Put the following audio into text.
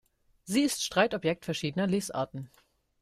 Sie ist Streitobjekt verschiedener Lesarten.